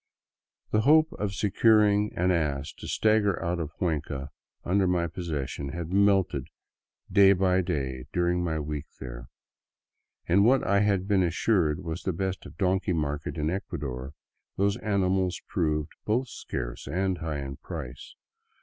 The hope of securing an ass to stagger out of Cuenca under my possessions had melted day by day during my week there. In what I had been assured was the best donkey market in Ecuador, those animals proved both scarce and high in price.